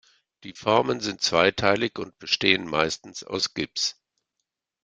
Die Formen sind zweiteilig und bestehen meistens aus Gips.